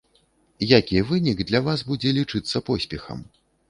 Які вынік для вас будзе лічыцца поспехам?